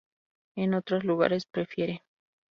En otros lugares prefiere.